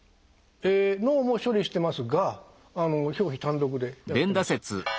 え脳も処理してますが表皮単独でやってます。